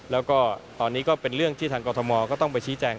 แล้วก็ตอนนี้ก็เป็นเรื่องที่ทางกรทมก็ต้องไปชี้แจง